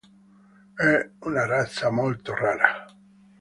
È una razza molto rara.